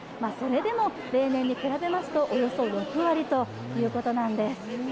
それでも例年に比べますと、およそ６割ということなんです。